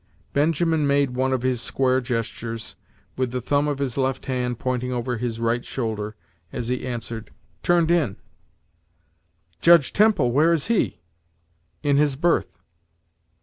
Benjamin made one of his square gestures, with the thumb of his left hand pointing over his right shoulder, as he answered: "Turned in." "Judge Temple where is he?" "In his berth."